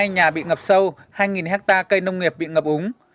một trăm hai mươi hai nhà bị ngập sâu hai hecta cây nông nghiệp bị ngập úng